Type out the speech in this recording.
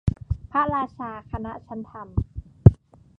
พระราชาคณะชั้นธรรม